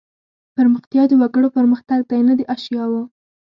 پرمختیا د وګړو پرمختګ دی نه د اشیاوو.